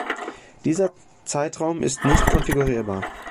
Dieser Zeitraum ist nicht konfigurierbar.